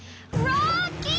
ロッキー！